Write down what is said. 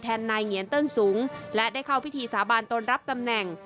นายเหงียนเติ้ลสูงและได้เข้าพิธีสาบานตนรับตำแหน่ง